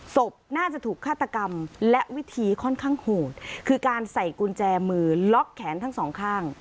ศพน่าจะถูกฆาตกรรมและวิธีค่อนข้างโหดคือการใส่กุญแจมือล็อกแขนทั้งสองข้าง